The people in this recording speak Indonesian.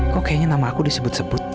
kok kayaknya nama aku disebut sebut